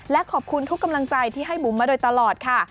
และขอบคุณทุกกำลังใจที่ให้บุ๋มมาโดยตลอดค่ะ